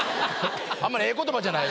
あんまりええ言葉じゃない。